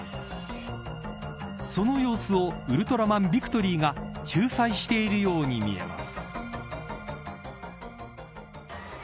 その様子をウルトラマンビクトリーが仲裁しているように見えます。